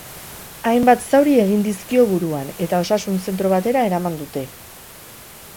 Hainbat zauri egin dizkio buruan eta osasun zentro batera eraman dute.